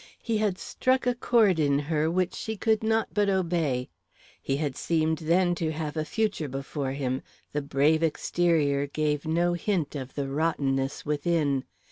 He had struck a chord in her which she could not but obey. He had seemed then to have a future before him; the brave exterior gave no hint of the rottenness within.